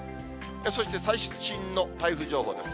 そして最新の台風情報です。